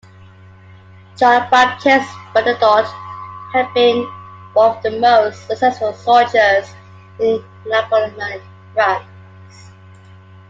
Jean-Baptiste Bernadotte had been one of the most successful soldiers in Napoleonic France.